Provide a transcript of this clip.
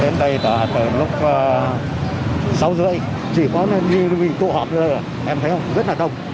đến đây là từ lúc sáu h ba mươi chỉ có lưu viên tụ hợp em thấy không rất là đông